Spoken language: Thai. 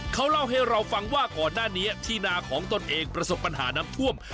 เขาเล่าให้เราฟังว่าก่อนหน้านี้ที่นาของตนเองประสบปัญหาน้ำท่วม